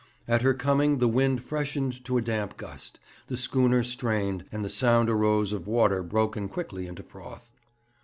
At her coming the wind freshened in a damp gust, the schooner strained, and the sound arose of water broken quickly into froth.